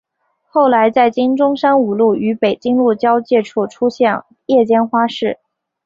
后来在今中山五路与北京路交界处出现夜间花市。